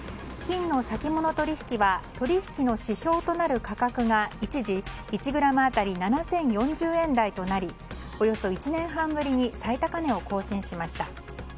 金の先物取引は取引の指標となる価格が一時１ｇ当たり７０４０円台となりおよそ１年半ぶりに最高値を更新しました。